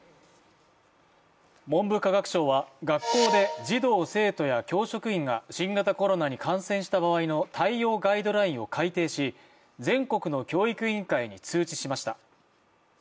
文部科学省は学校で児童生徒や教職員が新型コロナに感染した場合の対応ガイドラインを改定し全国の教育委員会に通知しました。